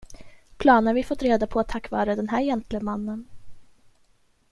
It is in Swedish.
Planer vi fått reda på tack vare den här gentlemannen.